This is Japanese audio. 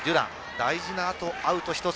大事なアウト１つ。